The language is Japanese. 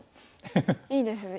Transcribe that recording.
いいですね。